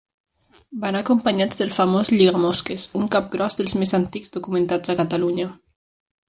Van acompanyats del famós Lligamosques, un capgròs dels més antics documentats a Catalunya.